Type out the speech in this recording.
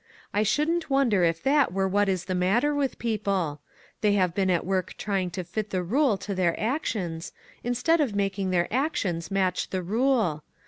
I shouldn't wonder if that were what is the matter with people ; they have been at work trying to fit the rule to their actions, instead of making their actions match the rule.